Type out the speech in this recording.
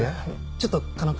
ちょっと狩野君。